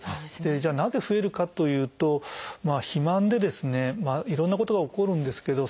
じゃあなぜ増えるかというと肥満でですねいろんなことが起こるんですけど